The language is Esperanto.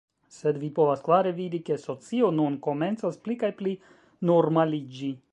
sed vi povas klare vidi, ke socio nun komencas pli kaj pli normaliĝi.